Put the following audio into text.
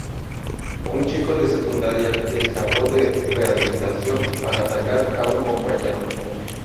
Un chico de secundaria que escapó de rehabilitación por atacar a un compañero.